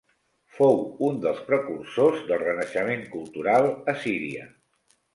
Fou un dels precursors del renaixement cultural a Síria.